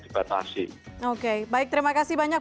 dibatasi oke baik terima kasih banyak